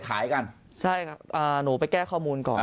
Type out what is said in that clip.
ขายกันใช่ครับอ่าหนูไปแก้ข้อมูลก่อน